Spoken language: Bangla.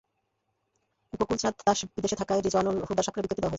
গকুল চাঁদ দাস বিদেশে থাকায় রিজওয়ানুল হুদার স্বাক্ষরে বিজ্ঞপ্তি দেওয়া হয়েছে।